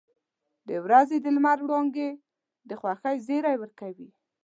• د ورځې د لمر وړانګې د خوښۍ زیری ورکوي.